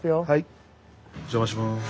お邪魔します。